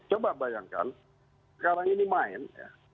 coba bayangkan sekarang ini main ya